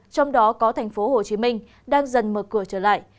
trong đó có tp hcm đang dần mở cửa trở lại